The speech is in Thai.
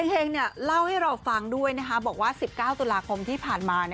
เฮงเล่าให้เราฟังด้วยนะคะบอกว่า๑๙ตุลาคมที่ผ่านมา